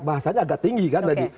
bahasanya agak tinggi kan tadi